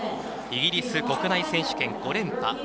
イギリス国内選手権５連覇。